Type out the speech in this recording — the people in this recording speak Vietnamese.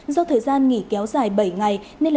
do thời gian nghỉ kéo dài bảy ngày